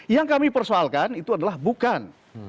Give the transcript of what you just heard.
yang kami persoalkan itu adalah bukan